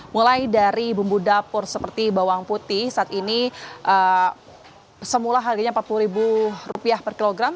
mulai dari bumbu dapur seperti bawang putih saat ini semula harganya rp empat puluh per kilogram